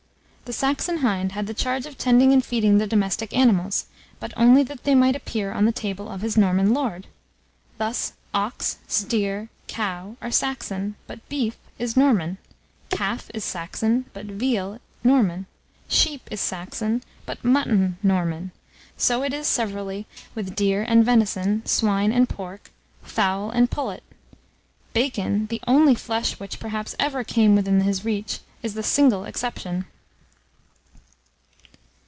The Saxon hind had the charge of tending and feeding the domestic animals, but only that they might appear on the table of his Norman lord. Thus 'ox,' 'steer,' 'cow,' are Saxon, but 'beef' is Norman; 'calf' is Saxon, but 'veal' Norman; 'sheep' is Saxon, but 'mutton' Norman; so it is severally with 'deer' and 'venison,' 'swine' and 'pork,' 'fowl' and 'pullet.' 'Bacon,' the only flesh which, perhaps, ever came within his reach, is the single exception.